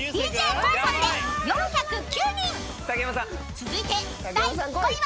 ［続いて第５位は］